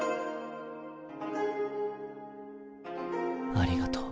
ありがとう。